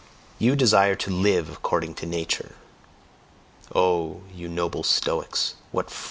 You desire to LIVE "according to Nature"? Oh, you noble Stoics, what fraud of words!